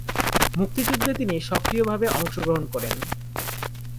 মুক্তিযুদ্ধে তিনি সক্রিয় ভাবে অংশগ্রহণ করেন।